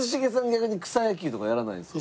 逆に草野球とかやらないんですか？